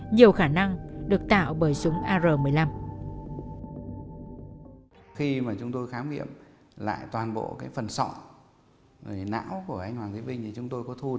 nhiều khách sạn đều không biết